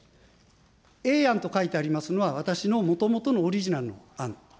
Ａ案と書いてありますのは、私のもともとのオリジナルの案。